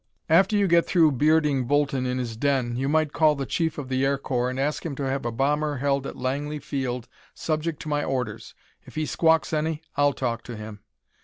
After you get through bearding Bolton in his den, you might call the Chief of the Air Corps and ask him to have a bomber held at Langley Field subject to my orders. If he squawks any, I'll talk to him."